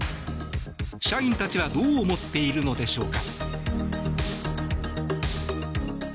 社員たちはどう思っているのでしょうか。